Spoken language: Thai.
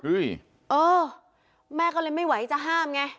เออแม่ก็เลยไม่ไหวจะห้ามไง